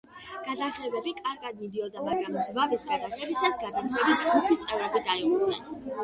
გადაღებები კარგად მიდიოდა, მაგრამ ზვავის გადაღებისას გადამღები ჯგუფის წევრები დაიღუპნენ.